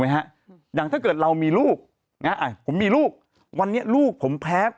ฮะอย่างถ้าเกิดเรามีลูกนะอ่ะผมมีลูกวันนี้ลูกผมแพ้